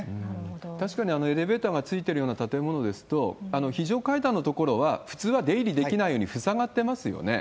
確かにエレベーターがついてるような建物ですと、非常階段の所は、普通は出入りできないように塞がってますよね。